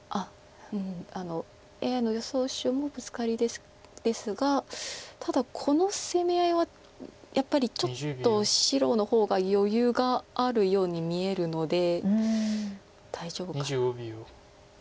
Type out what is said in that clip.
ＡＩの予想手もブツカリですがただこの攻め合いはやっぱりちょっと白の方が余裕があるように見えるので大丈夫かな。